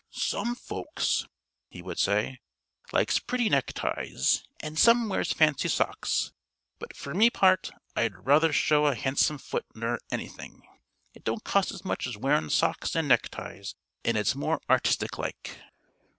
"Some folks," he would say, "likes pretty neckties; an' some wears fancy socks; but fer my part I'd ruther show a han'some foot ner anything. It don't cost as much as wearin' socks an' neckties, an' it's more artistic like."